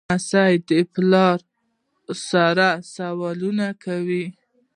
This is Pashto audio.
لمسی د پلار سره سوالونه کوي.